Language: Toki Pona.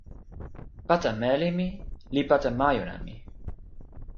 pata meli mi li pata majuna mi.